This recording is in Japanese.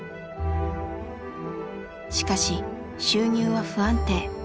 しかし収入は不安定。